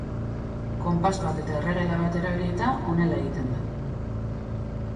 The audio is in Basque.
Konpas bat eta erregela bat erabilita honela egiten da.